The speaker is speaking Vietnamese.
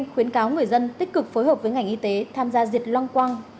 khuyến cáo người dân tích cực phối hợp với ngành y tế tham gia diệt loang quang